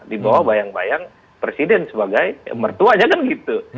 dibawa bayang bayang presiden sebagai mertuanya kan gitu